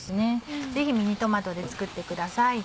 ぜひミニトマトで作ってください。